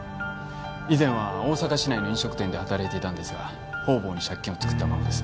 以前は大阪市内の飲食店で働いていたんですが方々に借金を作ったままです。